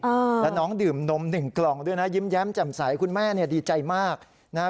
อ่าแล้วน้องดื่มนมหนึ่งกล่องด้วยนะยิ้มแย้มแจ่มใสคุณแม่เนี่ยดีใจมากนะฮะ